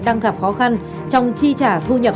đang gặp khó khăn trong chi trả thu nhập